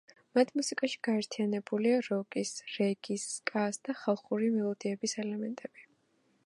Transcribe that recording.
მათ მუსიკაში გაერთიანებულია როკის, რეგის, სკას და ხალხური მელოდიების ელემენტები.